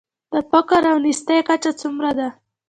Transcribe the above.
د فقر او نیستۍ کچه څومره ده؟